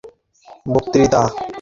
আচ্ছা, তোমার বক্তৃতাও তুমি রেখে দাও।